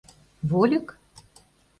Вольык?